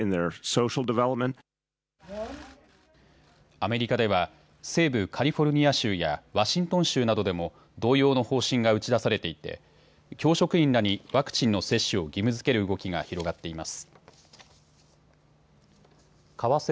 アメリカでは西部カリフォルニア州やワシントン州などでも同様の方針が打ち出されていて教職員らにワクチンの接種を義務づける動きが広がっています。